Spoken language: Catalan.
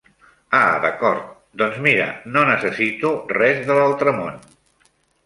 Ah d'acord, doncs mira, no necessito res de l'altre món.